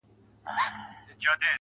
دا عجیبه شاني درد دی، له صیاده تر خیامه.